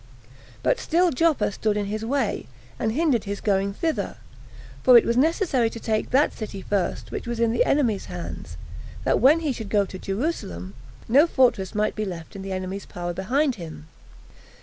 But still Joppa stood in his way, and hindered his going thither; for it was necessary to take that city first, which was in the enemies' hands, that when he should go to Jerusalem, no fortress might be left in the enemies' power behind him.